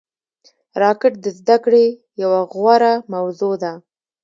راکټ د زده کړې یوه غوره موضوع ده